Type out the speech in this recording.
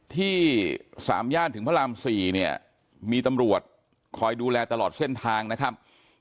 ที่๓ย่านถึงพระราม๔เนี่ยมีตำรวจคอยดูแลตลอดเส้นทางนะครับ